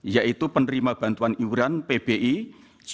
yaitu penerima bantuan iuran pbi